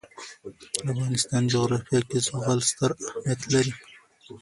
د افغانستان جغرافیه کې زغال ستر اهمیت لري.